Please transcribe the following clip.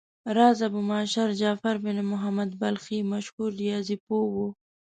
راز ابومعشر جعفر بن محمد بلخي مشهور ریاضي پوه و.